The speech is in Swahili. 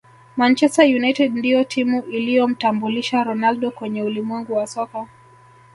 manchester united ndiyo timu iliyomtambulisha ronaldo kwenye ulimwengu wa soka